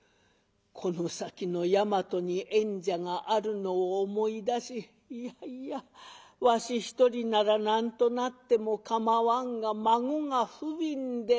「この先の山都に縁者があるのを思い出しいやいやわし一人なら何となってもかまわんが孫がふびんで」。